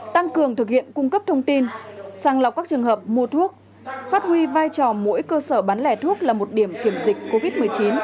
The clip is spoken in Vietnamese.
tăng cường thực hiện cung cấp thông tin sàng lọc các trường hợp mua thuốc phát huy vai trò mỗi cơ sở bán lẻ thuốc là một điểm kiểm dịch covid một mươi chín